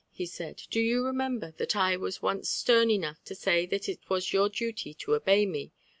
he said, do you remember that I was once stern enough to say that it was your duty to obey me?